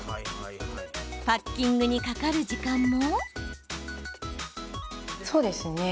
パッキングにかかる時間も。